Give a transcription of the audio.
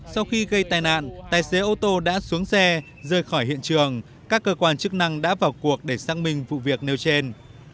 sau khi gây tai nạn tài xế ô tô đã xuống xe rời khỏi hiện trường các cơ quan chức năng đã vào cuộc để xác minh vụ việc nêu trên